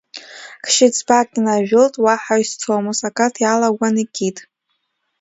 Хьшьыцбак нажәылт, уаҳа изцомызт, акаҭ иалагәан икит.